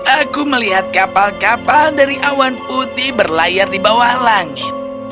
aku melihat kapal kapal dari awan putih berlayar di bawah langit